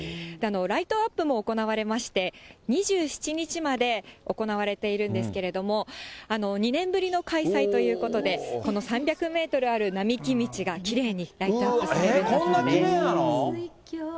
ライトアップも行われまして、２７日まで行われているんですけれども、２年ぶりの開催ということで、この３００メートルある並木道がきれいにライトアップされるそうこんなきれいなの！